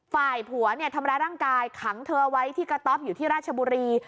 ฝ่ายผัวเนี่ยทำร้ายร่างกายขังเธอเอาไว้ที่กระต๊อบอยู่ที่ราชบุรี